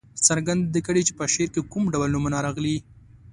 څرګنده دې کړي چې په شعر کې کوم ډول نومونه راغلي.